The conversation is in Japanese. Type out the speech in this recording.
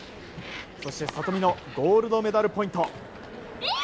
そして、里見のゴールドメダルポイント。